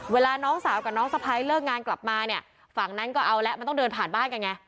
เวลาน้องสาวกับน้องสะพ้ายเลิกงานกลับมาเนี่ยฝั่งนั้นก็เอาแล้วมันต้องเดินผ่านบ้านกันไง